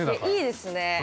いいですね。